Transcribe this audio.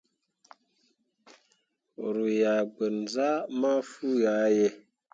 Ru yah gbanzah mafuu ah ye.